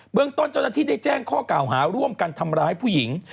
เมืองต้นเจ้าหน้าที่ได้แจ้งข้อกล่าวหาร่วมกันทำร้ายผู้หญิง